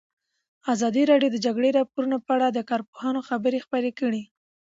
ازادي راډیو د د جګړې راپورونه په اړه د کارپوهانو خبرې خپرې کړي.